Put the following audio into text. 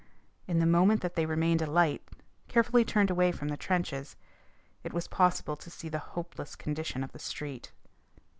In the moment that they remained alight, carefully turned away from the trenches, it was possible to see the hopeless condition of the street.